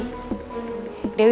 dia sudah pergi